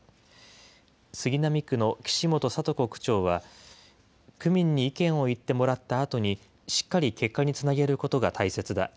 杉並区の岸本聡子区長は区民に意見を言ってもらったあとに、しっかり結果につなげることが大切だ。